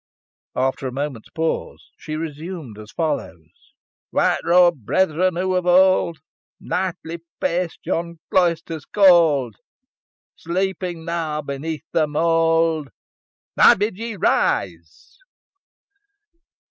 After a moment's pause, she resumed as follows: "White robed brethren, who of old, Nightly paced yon cloisters cold, Sleeping now beneath the mould! I bid ye rise.